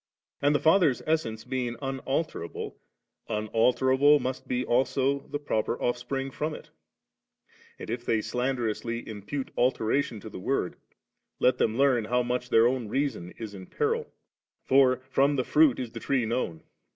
and the Father's essence being unalterable, unalterable must be also the proper Offspring from it And if they slander ously impute alteration to the Word, let them learn how much their own reason is in peril ; for from the fruit is the tree known.